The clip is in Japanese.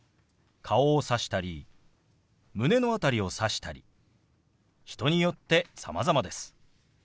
顔をさしたり胸の辺りをさしたり人によってさまざまです。